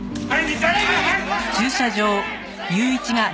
はい。